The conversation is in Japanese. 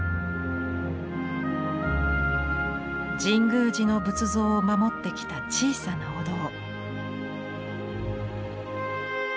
神宮寺の仏像を守ってきた小さなお堂。